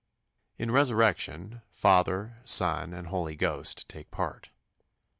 " In resurrection, Father, Son, and Holy Ghost take part.